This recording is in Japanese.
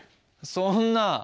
そんな。